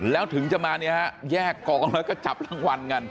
แล้วถึงจะมาเนี่ยฮะแยกกองแล้วก็จับรางวัลกัน